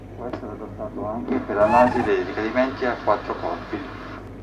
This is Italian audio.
Può essere adattato anche per l'analisi dei decadimenti a quattro corpi.